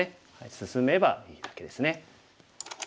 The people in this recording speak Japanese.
進めばいいだけですね。